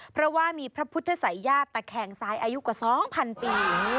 เพราะว่ามีพระพุทธศัยญาติตะแคงซ้ายอายุกว่า๒๐๐ปี